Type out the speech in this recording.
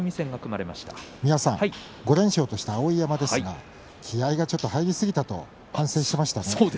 ５連勝とした碧山ですがちょっと気合いが入りすぎたと反省していました。